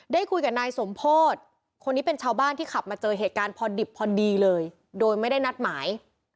ได้คุยกับนายสมโพธิคนนี้เป็นชาวบ้านที่ขับมาเจอเหตุการณ์พอดิบพอดีเลยโดยไม่ได้นัดหมาย